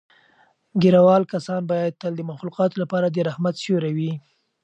ږیره وال کسان باید تل د مخلوقاتو لپاره د رحمت سیوری وي.